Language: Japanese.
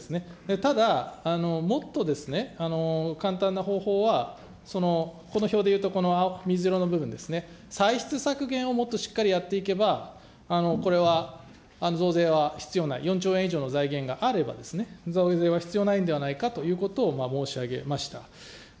ただもっと簡単な方法は、この表でいうとこの水色の部分ですね、歳出削減をもっとしっかりやっていけば、これは増税は必要ない、４兆円以上の財源があればですね、増税は必要ないんではないかということを申し上げました。